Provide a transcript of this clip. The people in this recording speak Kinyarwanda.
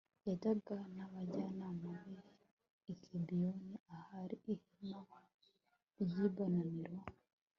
yajyanaga n'abajyanama be i gibeyoni ahari ihema ry'ibonaniro